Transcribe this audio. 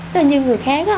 tức là như người khác á